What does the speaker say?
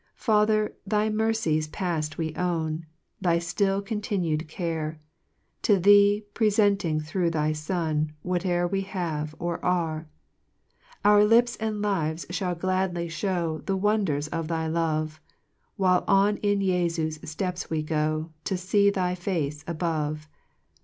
3 Father, thy mercies paft we own, Thy ftill continued care, To thee prcfenting thro' thy Son, Whate'er we have, or arc: 4 Our lips and lives fhall gladly fhow The wonders of thy love, While on in Jefu's Heps we go To fee thy face above.